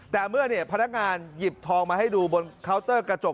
แต่เมื่อพนักงานหยิบทองมาให้ดูบนเคาน์เตอร์กระจก